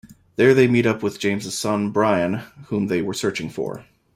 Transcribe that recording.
There they meet up with James' son, Brian, whom they were searching for.